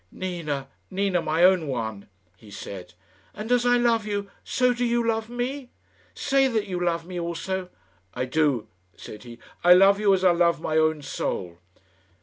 "Nina, Nina, my own one!" he said. "And as I love you, so do you love me? Say that you love me also." "I do," said he "I love you as I love my own soul."